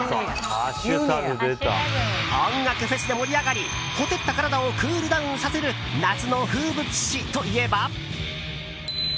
音楽フェスで盛り上がり火照った体をクールダウンさせる夏の風物詩といえば。